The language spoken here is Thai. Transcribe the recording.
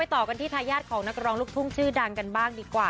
ต่อกันที่ทายาทของนักร้องลูกทุ่งชื่อดังกันบ้างดีกว่า